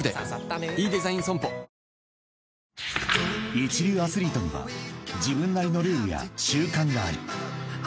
［一流アスリートには自分なりのルールや習慣がある］